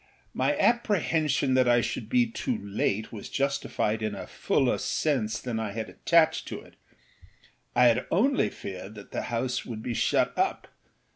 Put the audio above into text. My apprehension that I should be too late was justified in a fuller sense than I had attached to itâI had only feared that the house would be shut up.